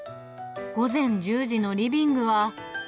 午前１０時のリビングは。